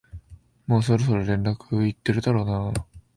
もうそろそろ連絡行ってるだろうな